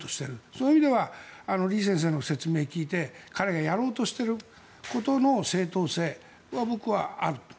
そういう意味では李先生の説明を聞いて彼がやろうとしていることの正当性は僕はあると。